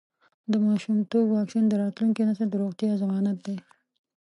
د ماشومتوب واکسین د راتلونکي نسل د روغتیا ضمانت دی.